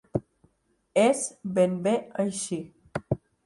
És ben bé així.